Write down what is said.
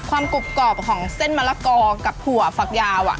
ความกรูปกรอบของเส้นมะละกอกับหัวฝักยาวอ่ะ